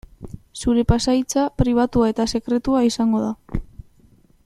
Zure pasahitza pribatua eta sekretua izango da.